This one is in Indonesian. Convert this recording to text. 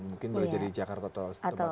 mungkin boleh jadi di jakarta atau tempat lain